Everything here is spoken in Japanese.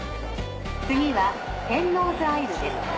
次は天王洲アイルです。